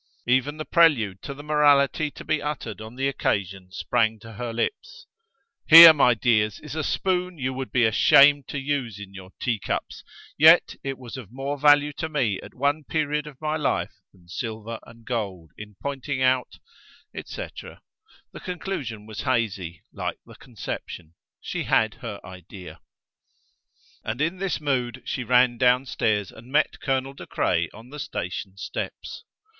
Even the prelude to the morality to be uttered on the occasion sprang to her lips: "Here, my dears, is a spoon you would be ashamed to use in your teacups, yet it was of more value to me at one period of my life than silver and gold in pointing out, etc.": the conclusion was hazy, like the conception; she had her idea. And in this mood she ran down stairs and met Colonel De Craye on the station steps.